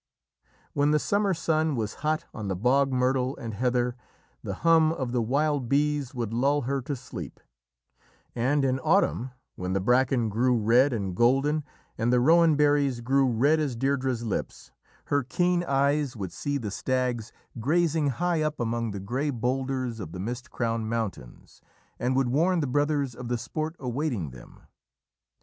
When the summer sun was hot on the bog myrtle and heather, the hum of the wild bees would lull her to sleep, and in autumn, when the bracken grew red and golden and the rowan berries grew red as Deirdrê's lips, her keen eyes would see the stags grazing high up among the grey boulders of the mist crowned mountains, and would warn the brothers of the sport awaiting them.